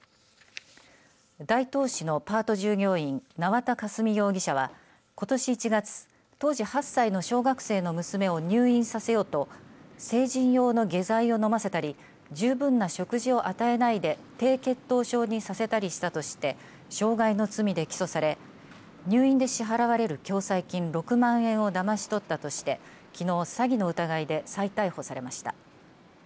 大東市のパート従業員縄田佳純容疑者はことし１月、当時８歳の小学生の娘を病院させようと成人用の下剤を飲ませたり十分な食事を与えないで低血糖症にさせたりしたとして傷害の罪で起訴され入院で支払われる共済金６万円をだまし取ったとしてきのう、詐欺の疑いで再逮捕されました。